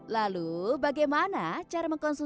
lalu bagaimana cara mengkonsumsi gula